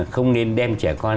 không nên đem trẻ con